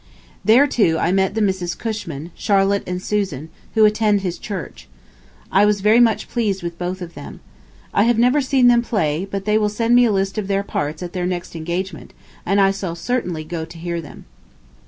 There, too, I met the Misses Cushman, Charlotte and Susan, who attend his church. I was very much pleased with both of them. I have never seen them play, but they will send me a list of their parts at their next engagement and I shall certainly go to hear them.